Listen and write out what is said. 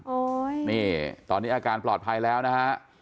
นี่ตอนนี้อาการปลอดภัยแล้วนะฮะ